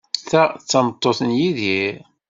Ta d tameṭṭut n Yidir.